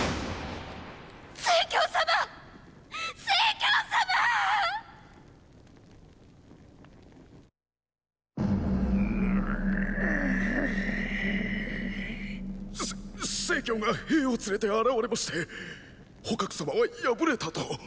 せっ成が兵を連れて現れまして蒲様は敗れたと！